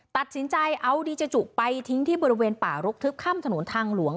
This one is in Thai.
ตัดสินใจเอาดีเจจุไปทิ้งที่บริเวณป่ารกทึบข้ามถนนทางหลวง